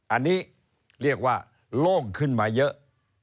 อันนี้เรียกว่าโล่งขึ้นมาเยอะ